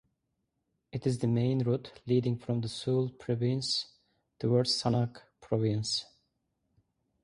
It is the main route leading from the Sool province towards Sanaag province.